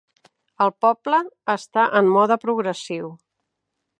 El poble està en mode progressiu.